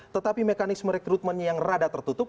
tetapi mekanisme rekrutmennya yang rada tertutup